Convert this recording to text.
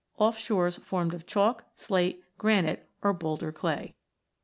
off shores formed of chalk, slate, granite, or boulder clay.